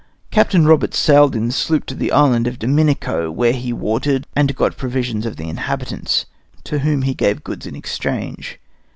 Captain Roberts sailed in the sloop to the island of Dominico, where he watered and got provisions of the inhabitants, to whom he gave goods in exchange.